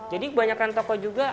jadi kebanyakan toko juga